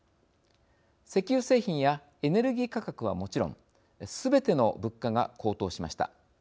石油製品やエネルギー価格はもちろんすべての物価が高騰しました。